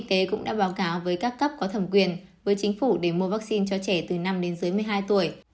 bộ y tế cũng đã báo cáo với các cấp có thẩm dụng quyền với chính phủ để mua vaccine cho trẻ từ năm đến một mươi hai tuổi